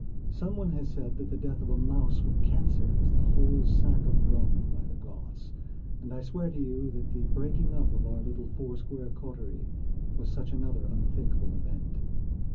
Some one has said that the death of a mouse from cancer is the whole sack of Rome by the Goths, and I swear to you that the breaking up of our little four square coterie was such another unthinkable event.